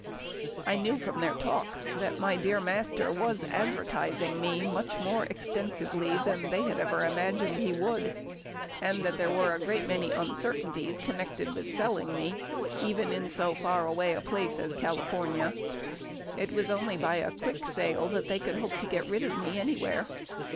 I knew from their talk that my dear master was advertising me much more extensively than they had ever imagined he would, and that there were a great many uncertainties connected with selling me, even in so far away a place as California. It was only by a quick sale that they could hope to get rid of me anywhere.